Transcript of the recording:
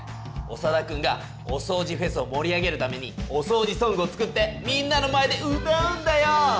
オサダくんがおそうじフェスを盛り上げるために「おそうじソング」を作ってみんなの前で歌うんだよ！